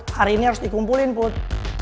hari ini harus dikumpulin put